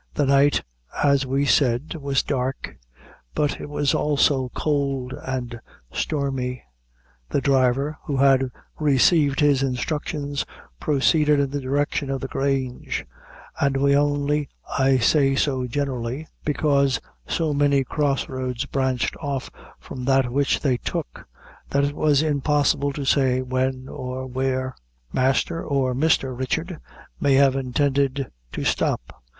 The night, as we said, was dark, but it was also cold and stormy. The driver, who had received his instructions, proceeded in the direction of the Grange; and we only I say so generally, because so many cross roads branched off from that which they took, that it was impossible to say when or where; Master or Mister Richard may have intended to stop.